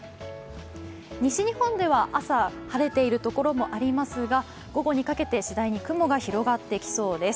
西日本では朝、晴れているところもありますが午後にかけてしだいに雲が広がってきそうです。